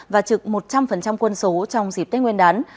và trực một trăm linh quân số trong dịp tết nguyên đán